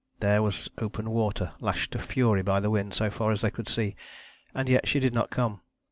There was open water lashed to fury by the wind so far as they could see, and yet she did not come.